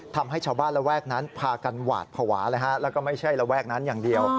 ทำให้ชาวบ้านระแวกนั้นพากันหวาดภาวะเลยฮะแล้วก็ไม่ใช่ระแวกนั้นอย่างเดียว